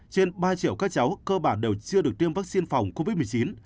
trên ba triệu các cháu cơ bản đều chưa được tiêm vaccine phòng covid một mươi chín